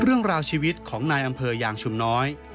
เรื่องราวชีวิตของนายอำเภอยางชุมน้อย